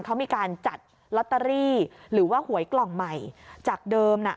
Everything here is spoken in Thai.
เขามีการจัดลอตเตอรี่หรือว่าหวยกล่องใหม่จากเดิมน่ะ